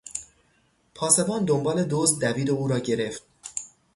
پاسبان دنبال دزد دوید و او را گرفت.